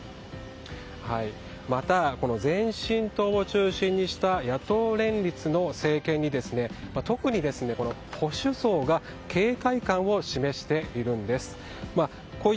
また、前進党を中心にした野党連立の政権に特に保守層が警戒感を示しているんです。